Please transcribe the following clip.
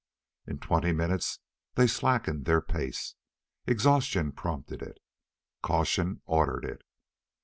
In twenty minutes they slackened their pace. Exhaustion prompted it. Caution ordered it.